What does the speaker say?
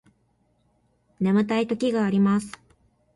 眠たい時があります